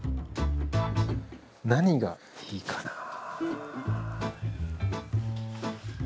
何がいいかなあ。